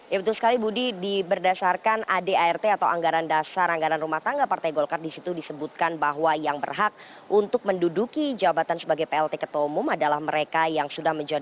ya betul sekali budi berdasarkan adart atau anggaran dasar anggaran rumah tangga partai golkar disitu disebutkan bahwa yang berhak untuk menduduki jabatan sebagai plt ketua umum adalah mereka yang sudah menjalankan